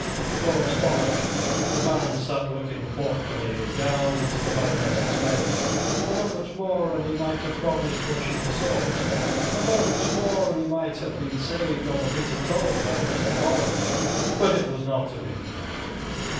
A pause followed. The Baron sat looking thoughtfully down into the Baroness' face. A moment more, and he might have promised what she besought; a moment more, and he might have been saved all the bitter trouble that was to follow. But it was not to be.